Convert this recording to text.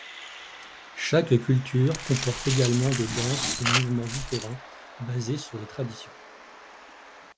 Chaque culture comporte également des danses et mouvements différents, basés sur les traditions.